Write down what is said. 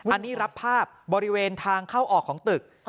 อันนี้รับภาพบริเวณทางเข้าออกของตึก